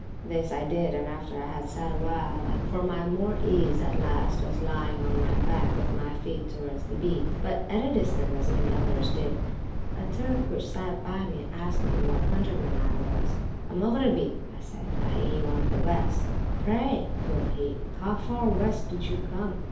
This I did, and after I had sat a while, and for my more ease at last was lying on my back, with my feet towards the Beat, but at a distance as many others did, a Turk which sat by me, asked me what countryman I was; A Mogrebee (said I), i.e. one of the West. Pray, quoth he, how far west did you come?